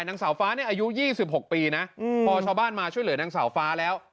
นางสาวฟ้าเนี่ยอายุ๒๖ปีนะพอชาวบ้านมาช่วยเหลือนางสาวฟ้าแล้ว